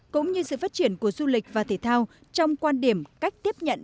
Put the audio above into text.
cũng như sự phát triển của du lịch và thể thao trong quan điểm cách tiếp nhận